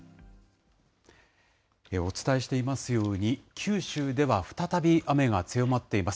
お伝えしていますように、九州では再び雨が強まっています。